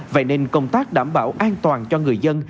vậy nên công tác đảm bảo an toàn cho người dân